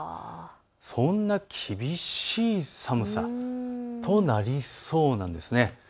そんな厳しい寒さとなりそうなんです。